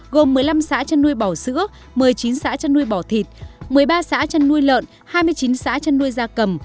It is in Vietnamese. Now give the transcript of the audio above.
gồm một mươi năm xã chăn nuôi bò sữa một mươi chín xã chăn nuôi bò thịt một mươi ba xã chăn nuôi lợn hai mươi chín xã chăn nuôi da cầm